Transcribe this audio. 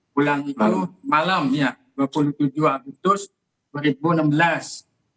bulan itu malam dua puluh tujuh agustus dua ribu enam belas